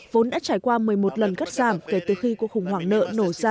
vốn đã trải qua một mươi một lần cắt giảm kể từ khi cuộc khủng hoảng nợ nổ ra